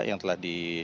yang telah kita lakukan